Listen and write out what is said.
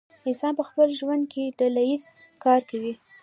انسان په خپل ژوند کې ډله ایز کار کوي.